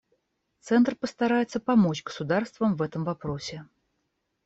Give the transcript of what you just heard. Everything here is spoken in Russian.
Центр постарается помочь государствам в этом вопросе.